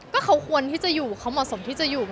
ก็เขาควรที่จะอยู่เขาเหมาะสมที่จะอยู่